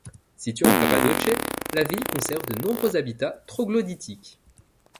Située en Cappadoce, la ville conserve de nombreux habitats troglodytiques.